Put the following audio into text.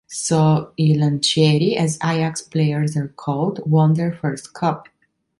So, “I Lancieri”, as Ajax players are called, won their first cup.